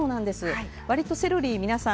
わりとセロリ皆さん